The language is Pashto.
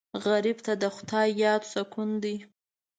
غریب ته د خدای یاد سکون دی